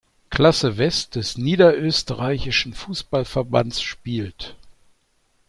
Klasse West des Niederösterreichischen Fußballverbands spielt.